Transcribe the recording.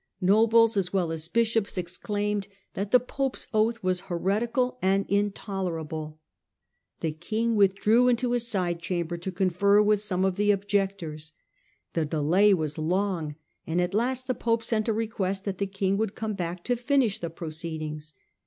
Nobles, as well as bishops, exclaimed that the pope's oath was heretical and intolerable. The king withdrew into a side chamber to confer with some of the objectors. The delay was long, and at last the pope sent a request that the king would come back to finish the proceed ings.